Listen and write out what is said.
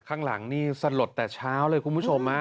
ข้างหลังนี่สลดแต่เช้าเลยคุณผู้ชม